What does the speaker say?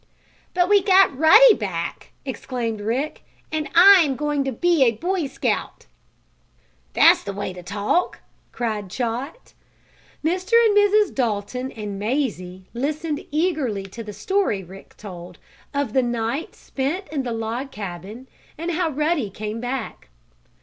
"But we got Ruddy back!" exclaimed Rick, "and I'm going to be a Boy Scout!" "That's the way to talk!" cried Chot. Mr. and Mrs. Dalton and Mazie listened eagerly to the story Rick told of the night spent in the log cabin, and how Ruddy came back.